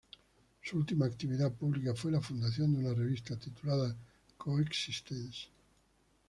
Su última actividad pública fue la fundación de una revista titulada "Co-Existence".